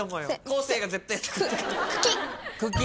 昴生が絶対。